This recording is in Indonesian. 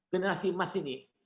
generasi emas ini